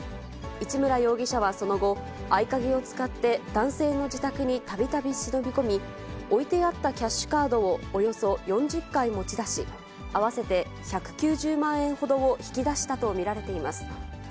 市村容疑者はその後、合鍵を使って男性の自宅にたびたび忍び込み、置いてあったキャッシュカードをおよそ４０回持ち出し、合わせて１９０万円ほどを引き出したと見られています。